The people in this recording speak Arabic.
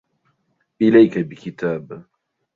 إليك بكتاب.